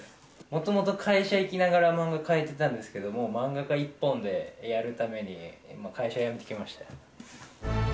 もともと会社行きながら、漫画描いてたんですけども、漫画家一本でやるために、会社辞めてきました。